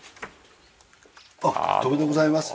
あっ戸邉でございます。